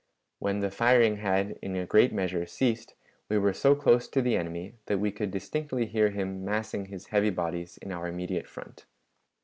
When the firing had in a great measure ceased, we were so close to the enemy that we could distinctly hear him massing his heavy bodies in our immediate front.